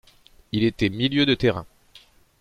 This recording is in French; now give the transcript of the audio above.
Il était milieu de terrain.